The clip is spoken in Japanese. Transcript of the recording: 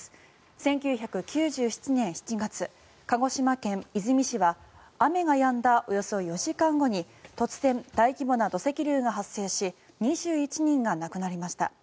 １９９７年７月鹿児島県出水市は雨がやんだおよそ４時間後に突然、大規模な土石流が発生し２１人が亡くなりました。